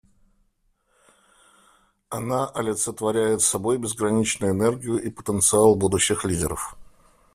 Она олицетворяет собой безграничную энергию и потенциал будущих лидеров.